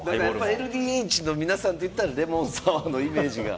ＬＤＨの皆さんって言ったら、レモンサワーのイメージ。